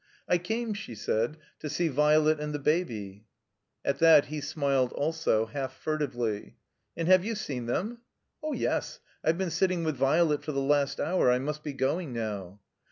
"I came," she said, "to see Violet and the Baby." At that he smiled also, half furtively. And have you seen them?" 0h yes. I've been sitting with Violet for the last hour. I must be going now."